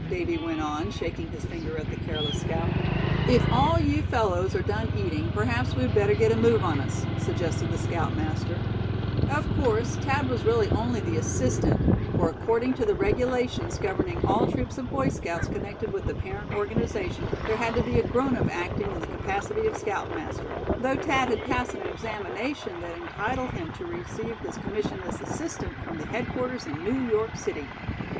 Davy went on, shaking his finger at the careless scout. "If all you fellows are done eating, perhaps we'd better get a move on us," suggested the scoutmaster; of course Thad was really only the assistant, for according to the regulations governing all troops of Boy Scouts connected with the parent organization, there had to be a grown up acting in the capacity of scoutmaster; though Thad had passed an examination that entitled him to receive his commission as assistant, from the headquarters in New York City.